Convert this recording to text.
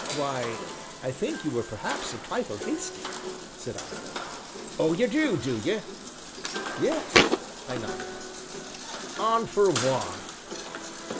"Why, I think you were perhaps a trifle hasty," said I. "Oh, ye do, do ye?" "Yes," I nodded. "An' for why?"